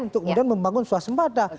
untuk kemudian membangun swasembada